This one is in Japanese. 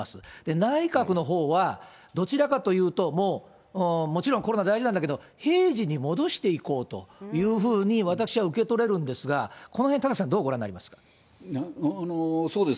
内閣のほうは、どちらかというと、もう、もちろんコロナは大事なんだけれども、平時に戻していこうというふうに、私は受け取れるんですが、このへん、田崎は、そうです。